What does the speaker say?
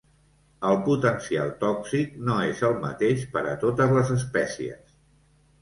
El potencial tòxic no és el mateix per a totes les espècies.